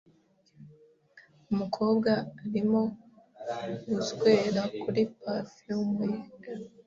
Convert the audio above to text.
umukobwa arimo guswera kuri parfum ye,